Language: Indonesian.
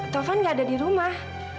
taufan gak ada di rumah